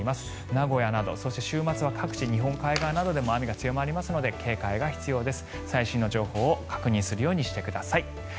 名古屋など週末は各地、日本海側でも雨が強まりますので警戒が必要です。